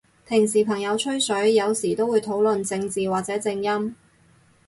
平時朋友吹水，有時都會討論正字或者正音？